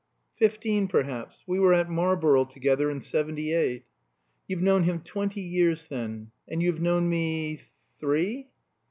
"Fifteen perhaps. We were at Marlborough together in seventy eight." "You've known him twenty years then. And you have known me three?"